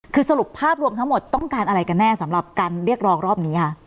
คือสรุปภาพรวมทั้งหมดต้องการอะไรกันแน่สำหรับการเรียกร้องรอบนี้คะ